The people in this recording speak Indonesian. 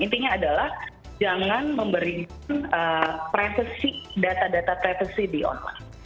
intinya adalah jangan memberikan privacy data data privacy di online